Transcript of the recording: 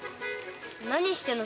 何してんの？